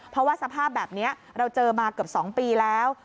เพราะว่าสภาพแบบนี้เราเจอมาเกือบ๒ปีแล้ว